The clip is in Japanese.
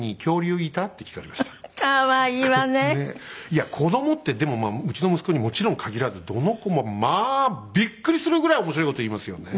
いや子どもってでもまあうちの息子にもちろん限らずどの子もまあビックリするぐらい面白い事言いますよね。